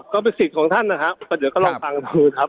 ก็เป็นสิทธิ์ของท่านนะครับก็เดี๋ยวก็ลองฟังดูครับ